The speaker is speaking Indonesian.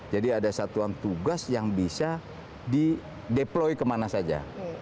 jadi ada satuan tugas yang bisa di deploy kemana saja